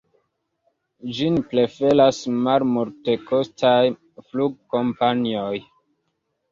Ĝin preferas malmultekostaj flugkompanioj.